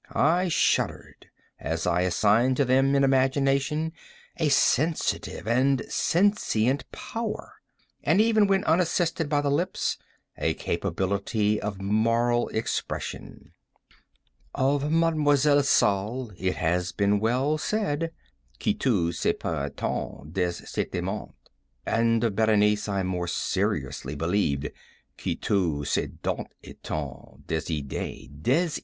I shuddered as I assigned to them in imagination a sensitive and sentient power, and even when unassisted by the lips, a capability of moral expression. Of Mademoiselle Salle it has been well said, "Que tous ses pas etaient des sentiments," and of Berenice I more seriously believed que toutes ses dents etaient des idées.